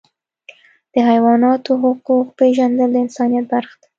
د حیواناتو حقوق پیژندل د انسانیت برخه ده.